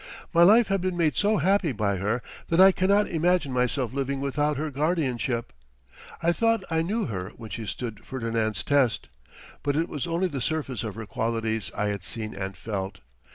My life has been made so happy by her that I cannot imagine myself living without her guardianship. I thought I knew her when she stood Ferdinand's test, but it was only the surface of her qualities I had seen and felt.